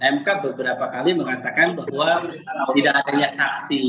mk beberapa kali mengatakan bahwa tidak adanya saksi